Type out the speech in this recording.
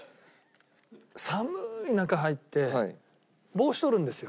寒い中入って帽子取るんですよ。